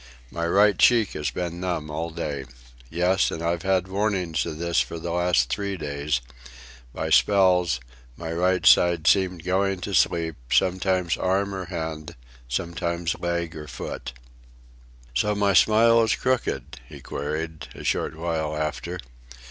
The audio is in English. My right cheek has been numb all day. Yes, and I've had warnings of this for the last three days; by spells, my right side seemed going to sleep, sometimes arm or hand, sometimes leg or foot." "So my smile is crooked?" he queried a short while after.